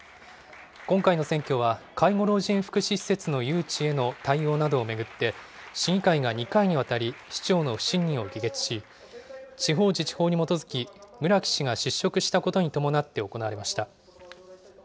今回の選挙は、介護老人福祉施設の誘致への対応などを巡って、市議会が２回にわたり市長の不信任を議決し、地方自治法に基づき、村木氏が失職したことに伴って行われました。